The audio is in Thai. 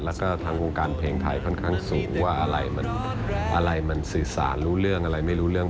แล้วก็ทางวงการเพลงไทยค่อนข้างสูงว่าอะไรมันอะไรมันสื่อสารรู้เรื่องอะไรไม่รู้เรื่อง